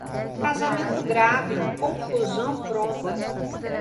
Casamento grávido, confusão pronta.